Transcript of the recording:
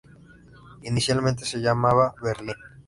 Inicialmente se llamaba Berlin.